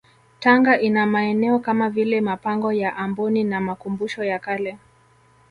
Tanga ina maeneo kama vile mapango ya Amboni na makumbusho ya kale